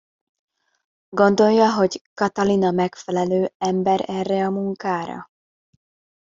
Gondolja, hogy Katalin a megfelelő ember erre a munkára?